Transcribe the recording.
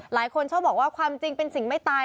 หลายคนชอบบอกว่าความจริงเป็นสิ่งไม่ตาย